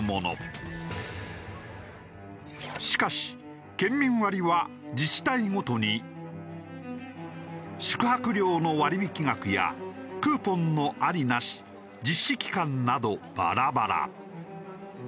しかし県民割は自治体ごとに宿泊料の割引額やクーポンのありなし実施期間などバラバラ。